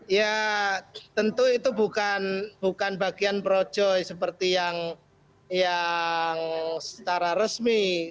ya tentu itu bukan bagian projo seperti yang secara resmi